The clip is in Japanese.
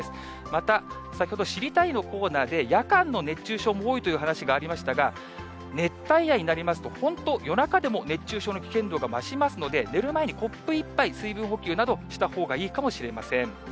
また、先ほど、知りたいッ！のコーナーで、夜間の熱中症も多いという話がありましたが、熱帯夜になりますと、本当、夜中でも熱中症の危険度が増しますので、寝る前にコップ１杯、水分補給などしたほうがいいかもしれません。